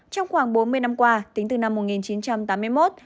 trong khoảng bốn mươi năm qua tính từ năm một nghìn chín trăm tám mươi một